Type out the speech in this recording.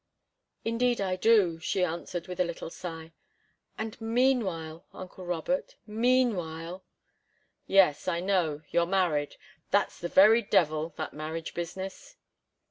"Indeed, I do," she answered, with a little sigh. "And meanwhile uncle Robert meanwhile " "Yes I know you're married. That's the very devil, that marriage business."